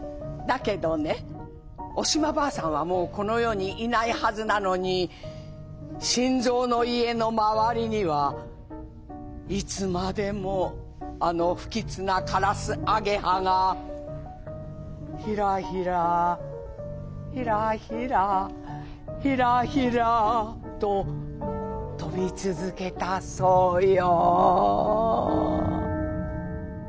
だけどねお島婆さんはもうこの世にいないはずなのに新蔵の家の周りにはいつまでもあの不吉なカラスアゲハがひらひらひらひらひらひらと飛び続けたそうよ」。